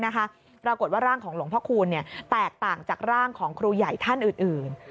ปรากฏว่าร่างของหลวงพ่อคูณแตกต่างจากร่างของครูใหญ่ท่านอื่น